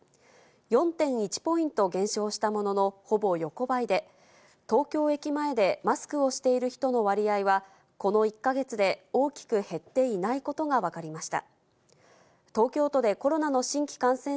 ４．１ポイント減少したものの、ほぼ横ばいで、東京駅前でマスクをしている人の割合は、この１か月で大きく減っていないことが分かりました。